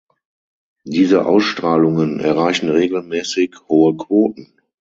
Diese Ausstrahlungen erreichen regelmäßig hohe Quoten.